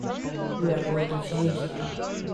We are going to change that.